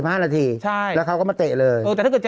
อันนี้เรื่องยืมนะ